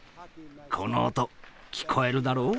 この音聞こえるだろう？